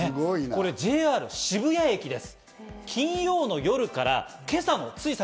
ＪＲ渋谷駅です。